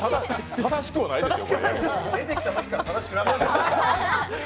正しくはないですよ。